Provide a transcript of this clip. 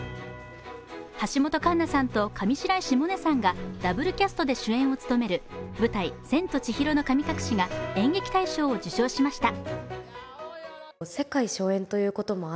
橋本環奈さんと上白石萌音さんがダブルキャストで主演を務める舞台「千と千尋の神隠し」が演劇大賞を受賞しました。